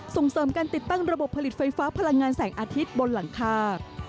ส่งเสริมการติดตั้งระบบผลิตไฟฟ้าพลังงานแสงอาทิตย์บนหลังคา